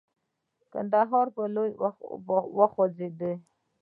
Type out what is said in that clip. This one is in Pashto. کندهار پر لور وخوځېدی.